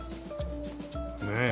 ねえ。